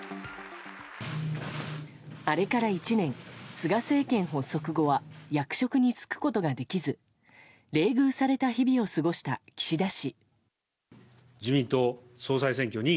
あれから１年、菅政権発足後は役職に就くことができず冷遇された日々を過ごした岸田氏。